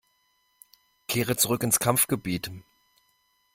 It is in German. Kehre zurück ins Kampfgebiet!